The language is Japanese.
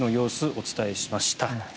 お伝えしました。